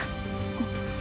あっ。